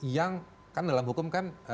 yang kan dalam hukum kan